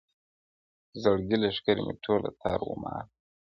د زړګي لښکر مي ټوله تار و مار دی،